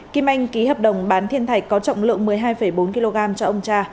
kim anh ký hợp đồng bán thiên thạch có trọng lượng một mươi hai bốn kg cho ông cha